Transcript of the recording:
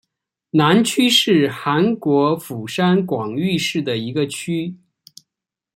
南区是韩国釜山广域市的一个区。